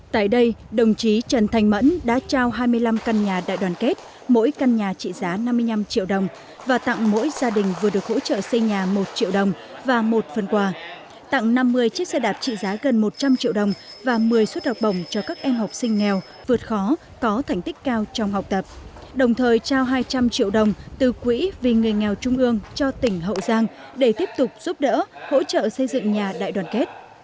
tại đây đồng chí trần thanh mẫn đã trao hai mươi năm căn nhà đại đoàn kết mỗi căn nhà trị giá năm mươi năm triệu đồng và tặng mỗi gia đình vừa được hỗ trợ xây nhà một triệu đồng và một phần quà tặng năm mươi chiếc xe đạp trị giá gần một trăm linh triệu đồng và một mươi suất học bổng cho các em học sinh nghèo vượt khó có thành tích cao trong học tập đồng thời trao hai trăm linh triệu đồng từ quỹ vì người nghèo trung ương cho tỉnh hậu giang để tiếp tục giúp đỡ hỗ trợ xây dựng nhà đại đoàn kết